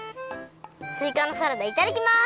すいかのサラダいただきます！